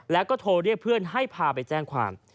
แล้วก็โทรเรียกเพื่อนให้พาไปแจ้งความ